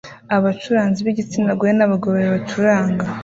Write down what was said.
Abacuranzi b'igitsina gore n'abagabo babiri bacuranga